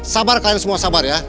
sabar kalian semua sabar ya